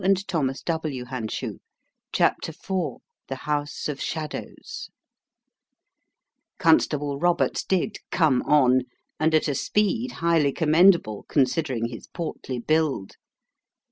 No time to be wasted/' CHAPTER IV THE HOUSE OF SHADOWS CONSTABLE ROBERTS did "come on" and at a speed highly commendable, considering his portly build.